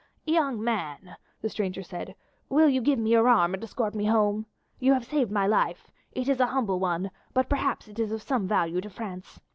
"Young man," the stranger said, "will you give me your arm and escort me home? You have saved my life; it is a humble one, but perhaps it is of some value to France.